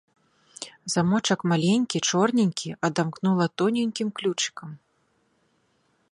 Замочак маленькі чорненькі адамкнула тоненькім ключыкам.